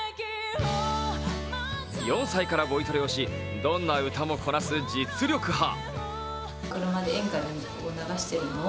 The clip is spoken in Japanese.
４歳からボイトレをしどんな歌もこなす実力派。